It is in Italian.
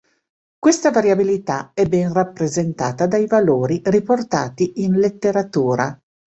Questa variabilità è ben rappresentata dai valori riportati in letteratura.